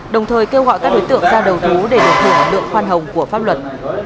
đồng thời kêu gọi các đối tượng ra đầu rú để đồng thủ lượng khoan hồng của pháp luật